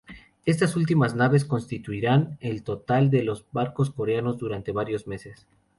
Estas últimas naves constituirían el total de los barcos coreanos durante varios meses.